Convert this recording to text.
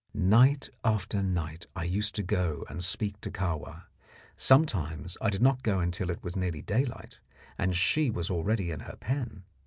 Night after night I used to go and speak to Kahwa. Sometimes I did not go until it was nearly daylight, and she was already in her pen.